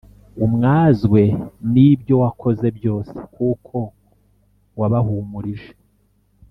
umwazwe n’ibyo wakoze byose, kuko wabahumurije